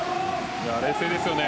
冷静ですよね。